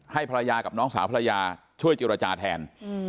ภรรยากับน้องสาวภรรยาช่วยเจรจาแทน